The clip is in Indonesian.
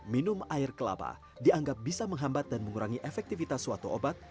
minum air kelapa dianggap bisa menghambat dan mengurangi efektivitas suatu obat